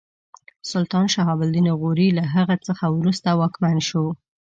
سلطان شهاب الدین غوري له هغه څخه وروسته واکمن شو.